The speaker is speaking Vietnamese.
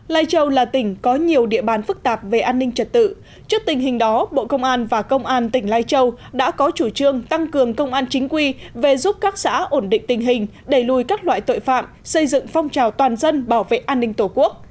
lai châu là tỉnh có nhiều địa bàn phức tạp về an ninh trật tự trước tình hình đó bộ công an và công an tỉnh lai châu đã có chủ trương tăng cường công an chính quy về giúp các xã ổn định tình hình đẩy lùi các loại tội phạm xây dựng phong trào toàn dân bảo vệ an ninh tổ quốc